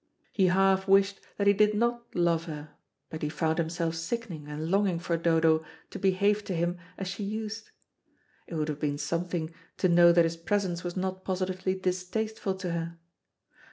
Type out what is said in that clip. He half wished that he did not love her, but he found himself sickening and longing for Dodo to behave to him as she used. It would have been something to know that his presence was not positively distasteful to her.